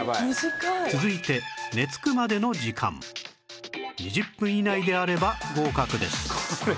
続いて寝つくまでの時間２０分以内であれば合格です